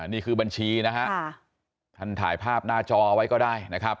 นี่คือบัญชีนะฮะท่านถ่ายภาพหน้าจอเอาไว้ก็ได้นะครับ